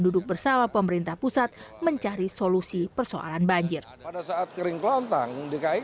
duduk bersama pemerintah pusat mencari solusi persoalan banjir pada saat kering kelontong dki